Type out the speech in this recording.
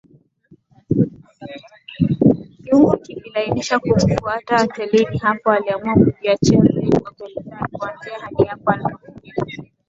kiungo kilainishi kumfuata hotelini hapo aliamua kujiachia zaidi kwa kuelezea alipoanzia hadi hapo alipofikia